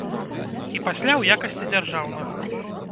І пасля ў якасці дзяржаўнага.